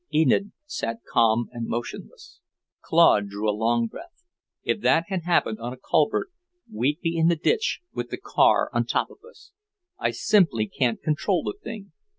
Enid sat calm and motionless. Claude drew a long breath. "If that had happened on a culvert, we'd be in the ditch with the car on top of us. I simply can't control the thing.